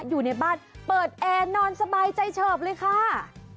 อยู่ในบ้านเปิดแอร์นอนสบายใจเฉิบเลยค่ะ